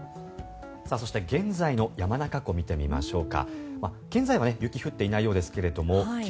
そして現在の山中湖見てみましょうか。